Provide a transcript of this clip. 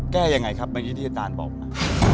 แก้ยังไงครับไม่ได้ที่อาจารย์บอกนะ